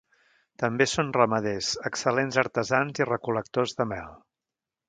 També són ramaders, excel·lents artesans i recol·lectors de mel.